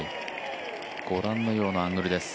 ご覧のようなアングルです。